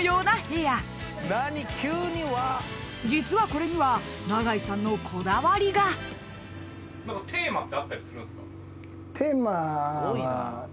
［実はこれには永井さんのこだわりが］テーマは。